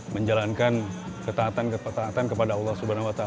menjalankan ketahatan kepetaatan kepada allah swt